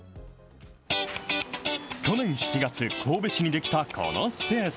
去年７月、神戸市に出来たこのスペース。